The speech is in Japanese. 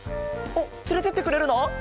おっつれてってくれるの？